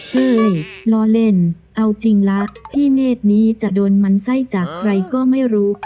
เฮ้ยล้อเล่นเอาจริงละพี่เนธนี้จะโดนมันไส้จากใครก็ไม่รู้